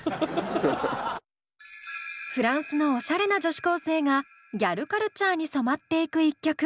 フランスのおしゃれな女子高生がギャルカルチャーに染まっていく一曲。